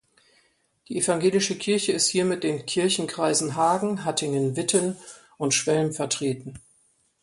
Die Evangelische Kirche ist hier mit den Kirchenkreisen Hagen, Hattingen-Witten und Schwelm vertreten.